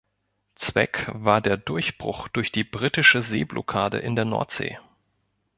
Zweck war der Durchbruch durch die Britische Seeblockade in der Nordsee.